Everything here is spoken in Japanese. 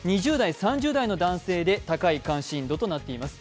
２０代、３０代の男性で高い関心度となっています。